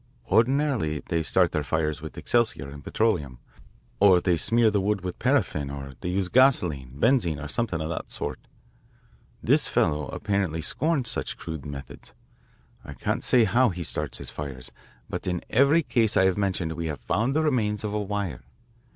Ordinarily they start their fires with excelsior and petroleum, or they smear the wood with paraffin or they use gasoline, benzine, or something of that sort. This fellow apparently scorns such crude methods. I can't say how he starts his fires, but in every case I have mentioned we have found the remains of a wire.